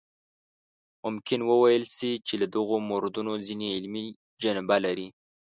ممکن وویل شي چې له دغو موردونو ځینې علمي جنبه لري.